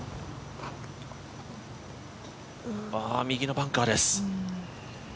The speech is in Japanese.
右のバンカーです。